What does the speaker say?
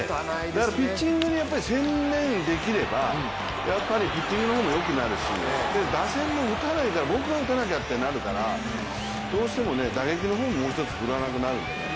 だからピッチングに専念できれば、ピッチングの方もよくなるし打線も打たないから僕が打たなきゃってなるからどうしても打撃の方ももう一つ、ふるわなくなるんで。